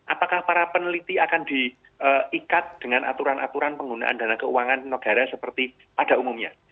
apakah para peneliti akan diikat dengan aturan aturan penggunaan dana keuangan negara seperti pada umumnya